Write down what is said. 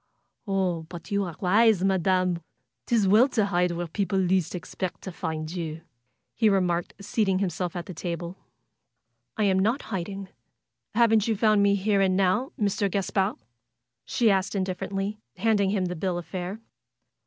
^'Oh, but you are wise. Madam! 'Tis well to hide where people least expect to find you!" he remarked, seating himself at the table. aip not hiding. Haven't you found me here, and 252 FAITH now, Mr. Gaspard?" she asked indifferently, handing him the bill of fare.